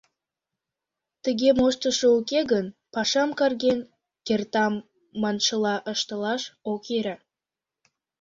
Тыге моштышо уке гын, пашам карген, «кертам» маншыла ыштылаш ок йӧрӧ.